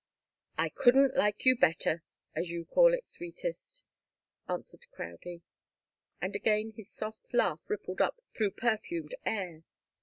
"I couldn't like you better as you call it, sweetest," answered Crowdie. And again his soft laugh rippled up through perfumed air.